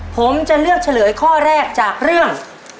ผมจะเลือกเฉลยข้อแรกจากเรื่อง